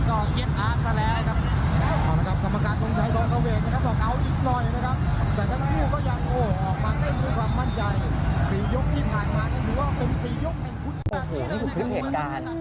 โอ้โฮนี่ถึงเหตุการณ์